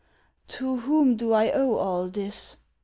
" To whom do I owe all this